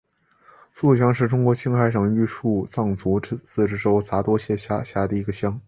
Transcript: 苏鲁乡是中国青海省玉树藏族自治州杂多县下辖的一个乡。